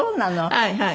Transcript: はいはい。